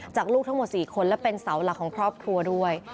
ลูกทั้งหมด๔คนและเป็นเสาหลักของครอบครัวด้วย